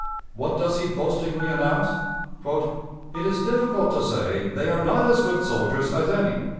What does he boastingly announce? "It is difficult to say they are not as good soldiers as any."